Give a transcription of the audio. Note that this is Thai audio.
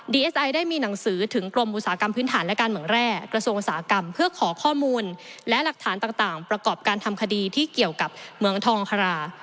เอสไอได้มีหนังสือถึงกรมอุตสาหกรรมพื้นฐานและการเมืองแร่กระทรวงอุตสาหกรรมเพื่อขอข้อมูลและหลักฐานต่างประกอบการทำคดีที่เกี่ยวกับเหมืองทองคารา